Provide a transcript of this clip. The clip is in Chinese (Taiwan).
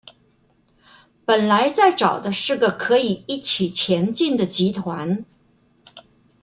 本來在找的是個可以一起前進的集團